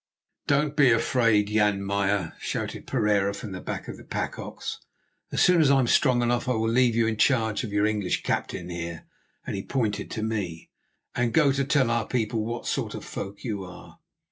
"Don't be afraid, Jan Meyer," shouted Pereira from the back of the pack ox. "As soon as I am strong enough I will leave you in charge of your English captain here"—and he pointed to me—"and go to tell our people what sort of folk you are."